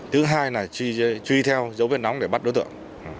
thứ hai là truy theo dấu viên nóng để bắt đối tượng